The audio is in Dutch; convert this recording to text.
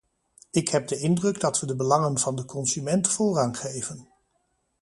Ik heb de indruk dat we de belangen van de consument voorrang geven.